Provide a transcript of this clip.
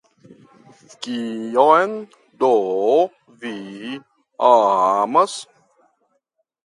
Kion do vi amas?